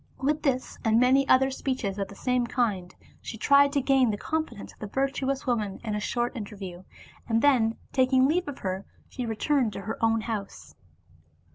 With this and many other speeches of the same kind she tried to gain the confidence of the virtuous woman in a short interview, and then taking leave of her she returned to her own house.